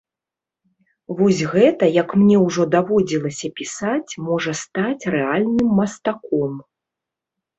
Вось гэта, як мне ўжо даводзілася пісаць, можа стаць рэальным мастком.